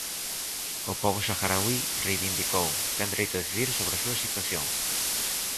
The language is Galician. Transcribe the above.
O pobo saharauí, reivindicou, ten dereito a decidir sobre a súa situación.